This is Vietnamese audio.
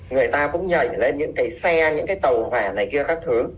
người ta cũng nhảy lên những cái xe những cái tàu vẻ này kia các thứ